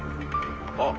あっ。